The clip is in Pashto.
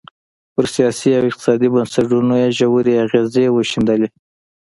پر سیاسي او اقتصادي بنسټونو یې ژورې اغېزې وښندلې.